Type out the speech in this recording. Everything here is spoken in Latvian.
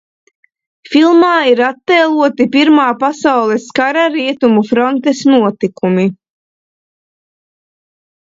Filmā ir attēloti Pirmā pasaules kara Rietumu frontes notikumi.